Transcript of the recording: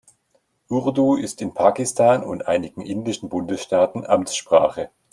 Urdu ist in Pakistan und einigen indischen Bundesstaaten Amtssprache.